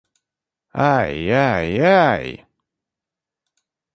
Ай, ай, ай!